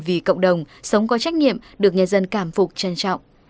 vì cộng đồng sống có trách nhiệm được nhân dân cảm phục trân trọng